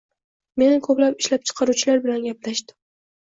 Men ko‘plab ishlab chiqaruvchilar bilan gaplashdim